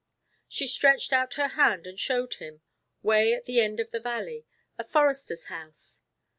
She stretched out her hand and showed him, way at the end of the valley, a forester's house.